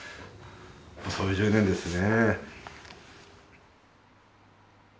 そういう１０年ですね。